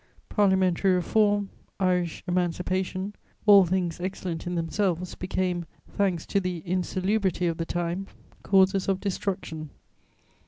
Parliamentary reform, Irish emancipation, all things excellent in themselves, became, thanks to the insalubrity of the time, causes of destruction.